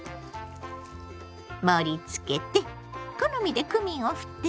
盛りつけて好みでクミンをふってね。